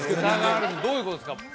どういうことですか？